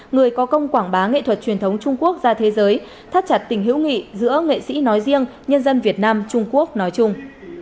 người có công quảng bá nghệ thuật truyền thống trung quốc ra thế giới thắt chặt tình hữu nghị giữa nghệ sĩ nói riêng nhân dân việt nam trung quốc nói chung